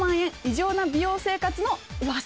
異常な美容生活の噂。